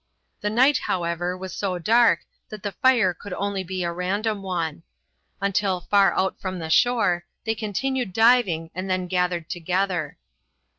The night, however, was so dark that the fire could only be a random one. Until far out from the shore they continued diving and then gathered together.